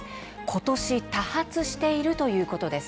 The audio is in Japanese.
今年多発しているということです。